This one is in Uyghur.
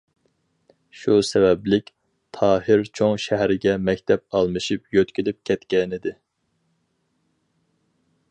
شۇ سەۋەبلىك، تاھىر چوڭ شەھەرگە مەكتەپ ئالمىشىپ يۆتكىلىپ كەتكەنىدى.